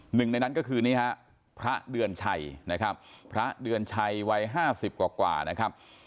หนึ่งในนั้นก็คือพระเดือนชัยพระเดือนชัยวัย๕๐กว่า